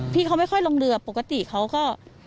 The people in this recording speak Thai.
พี่เขาไม่ค่อยลงเรือปกติเขาก็